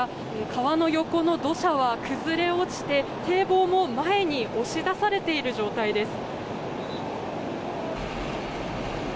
川の横の土砂は崩れ落ちて堤防も前に押し出されている状態です。